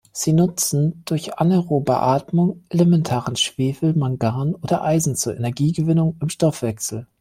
Sie nutzen durch anaerobe Atmung elementaren Schwefel, Mangan oder Eisen zur Energiegewinnung im Stoffwechsel.